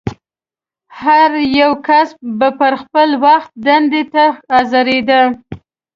هر یو کس به پر خپل وخت دندې ته حاضرېده.